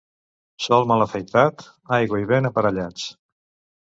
Sol mal afaitat, aigua i vent aparellats.